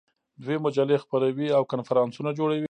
دوی مجلې خپروي او کنفرانسونه جوړوي.